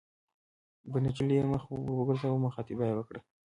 پر نجلۍ یې مخ ور وګرځاوه او مخاطبه یې کړه.